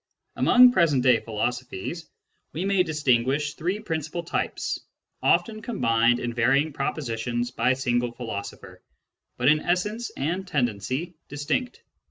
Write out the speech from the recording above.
Among present day philosophies, we may distinguish three principal types, often combined in varying propor tions by a single philosopher, but in essence and tendency distinct.